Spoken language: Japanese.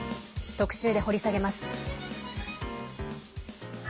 特集で掘り下げます。